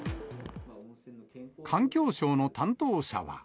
環境省の担当者は。